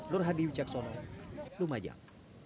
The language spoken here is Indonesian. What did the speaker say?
lur hadi yuchaksono lumajang